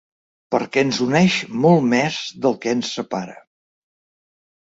Perquè ens uneix molt més del que ens separa.